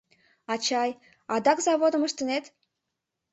— Ачай, адак заводым ыштынет?